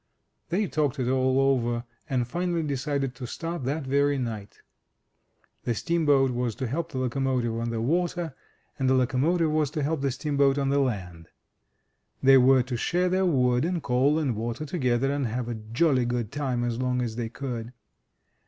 They talked it all over, and finally decided to start that very night. The steamboat was to help the locomotive on the water, ii8 THE TREASURE CHEST and the locomotive was to help the steamboat on the land. They were to share their wood and coal and water together, and have a jolly good time as long as they could.